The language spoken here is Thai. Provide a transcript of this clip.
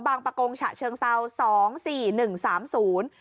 ประกงฉะเชิงเซาสองสี่หนึ่งสามศูนย์